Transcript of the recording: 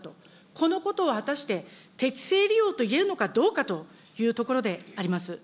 このことは果たして、適正利用といえるのかどうかというところであります。